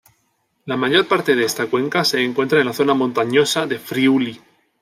La mayor parte de esta cuenca se encuentra en la zona montañosa de Friuli.